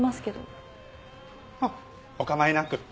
あっお構いなく。